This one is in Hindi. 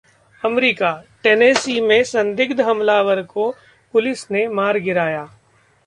अमेरिका: टेनेसी में संदिग्ध हमलावर को पुलिस ने मार गिराया